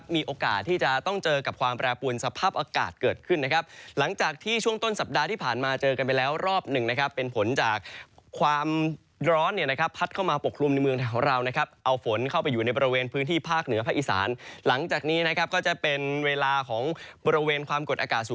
มีโอกาสที่จะต้องเจอกับความแปรปวนสภาพอากาศเกิดขึ้นนะครับหลังจากที่ช่วงต้นสัปดาห์ที่ผ่านมาเจอกันไปแล้วรอบหนึ่งนะครับเป็นผลจากความร้อนเนี่ยนะครับพัดเข้ามาปกคลุมในเมืองไทยของเรานะครับเอาฝนเข้าไปอยู่ในบริเวณพื้นที่ภาคเหนือภาคอีสานหลังจากนี้นะครับก็จะเป็นเวลาของบริเวณความกดอากาศสูง